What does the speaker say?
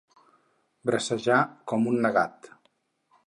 Bracejar com un negat.